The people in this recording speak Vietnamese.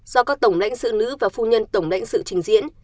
do các tổng lãnh sự nữ và phu nhân tổng lãnh sự trình diễn